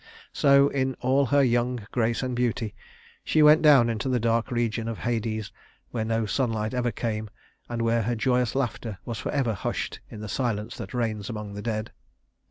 So, in all her young grace and beauty, she went down into the dark region of Hades, where no sunlight ever came and where her joyous laughter was forever hushed in the silence that reigns among the dead.